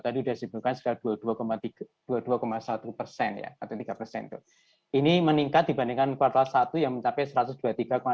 tadi sudah sebutkan dua puluh dua satu persen atau tiga persen ini meningkat dibandingkan kuartal satu yang mencapai